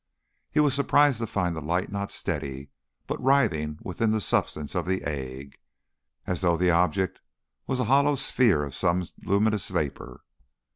He was surprised to find the light not steady, but writhing within the substance of the egg, as though that object was a hollow sphere of some luminous vapour.